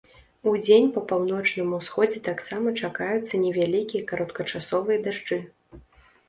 Удзень па паўночным усходзе таксама чакаюцца невялікія кароткачасовыя дажджы.